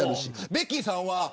ベッキーさんは。